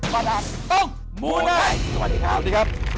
โปรดติดตามตอนต่อไป